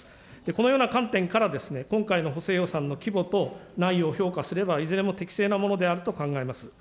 このような観点から、今回の補正予算の規模と内容を評価すれば、いずれも適正なものであると考えます。